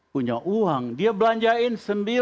punya uang dia belanjain